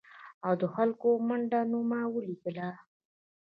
او د خلکو منډه نو ما ولیدله ؟